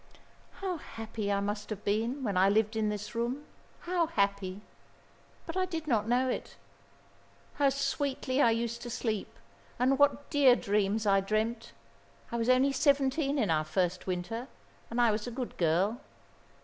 "How happy I must have been, when I lived in this room, how happy! But I did not know it. How sweetly I used to sleep, and what dear dreams I dreamt. I was only seventeen in our first winter, and I was a good girl.